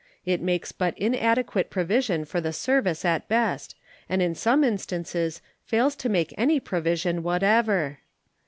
It makes but inadequate provision for the service at best, and in some instances fails to make any provision whatever.